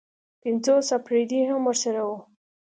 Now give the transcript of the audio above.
پنځوس اپرېدي هم ورسره وو.